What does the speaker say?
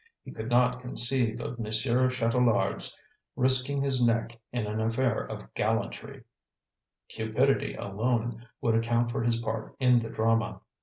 He could not conceive of Monsieur Chatelard's risking his neck in an affair of gallantry; cupidity alone would account for his part in the drama.